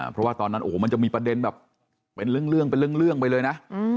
เพราะว่าตอนนั้นโอ้โหมันจะมีประเด็นแบบเป็นเรื่องเป็นเรื่องไปเลยนะ